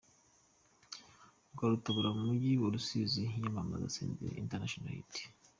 Rwarutabura mu mujyi wa Rusizi yamamaza Senderi International Hit.